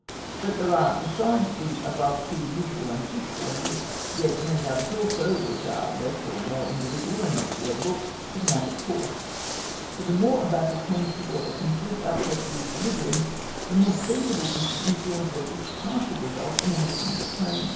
That there are, besides the above two usual and chief causes, yet many others also, which are less or more individual and not to be overlooked, is a matter of course; for the more a battle tends towards a complete upset of equilibrium the more sensible is the influence of each partial result in hastening the turn.